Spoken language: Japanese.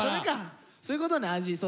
そういうことね味。